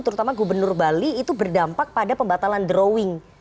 terutama gubernur bali itu berdampak pada pembatalan drawing